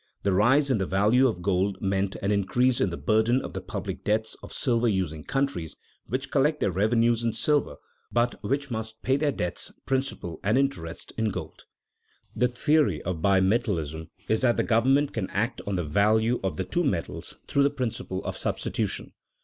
The rise in the value of gold meant an increase in the burden of the public debts of silver using countries which collect their revenues in silver, but which must pay their debts, principal and interest, in gold. [Sidenote: Its theory] The theory of bimetallism is that the government can act on the value of the two metals through the principle of substitution.